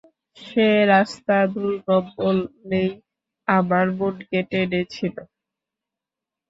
সে রাস্তা দুর্গম বলেই আমার মনকে টেনেছিল।